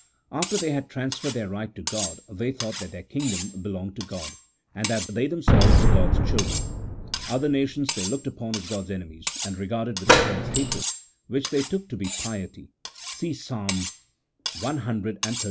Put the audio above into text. After they had transferred their right to God, they thought that their kingdom belonged to God, and that they themselves were God's children. Other nations they looked upon as God's enemies, and regarded with intense hatred (which they took to be piety, see Psalm cxxxix.